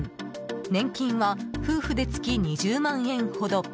年金は夫婦で月２０万円ほど。